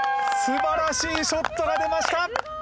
すばらしいショットが出ました